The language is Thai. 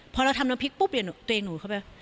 พอเราทำน้ำพริกปุ๊บเปลี่ยนตัวเองหนูเข้าไป